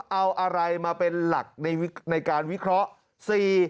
เอาอะไรมาเป็นหลักในการวิเคราะห์